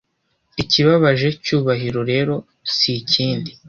ikibabaje cyubahiro rero sikindi